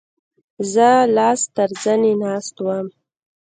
زه لاس تر زنې ناست وم.